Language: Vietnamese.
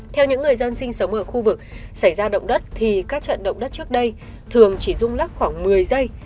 trong khu vực xảy ra động đất thì các trận động đất trước đây thường chỉ rung lắc khoảng một mươi giây